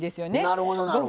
なるほどなるほど。